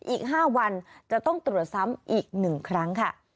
อีกห้าวันจะต้องตรวจซ้ำอีกหนึ่งครั้งค่ะ